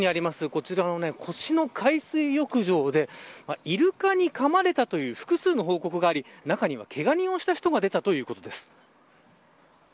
こちらの越廼海水浴場でイルカにかまれたという複数の報告があり中には、けがをした人も出たというのです。